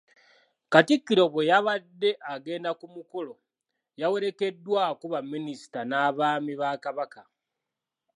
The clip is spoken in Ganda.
Katikkiro bwe yabadde agenda ku mukolo yawerekeddwako Baminisita n'Abaami ba Kabaka.